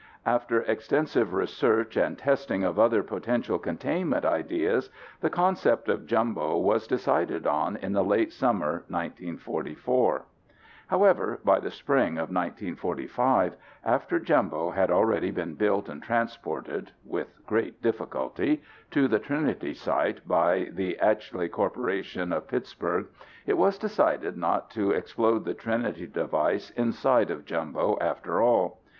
After extensive research and testing of other potential containment ideas, the concept of Jumbo was decided on in the late summer of 1944. However, by the spring of 1945, after Jumbo had already been built and transported (with great difficulty) to the Trinity Site by the Eichleay Corporation of Pittsburgh, it was decided not to explode the Trinity device inside of Jumbo after all.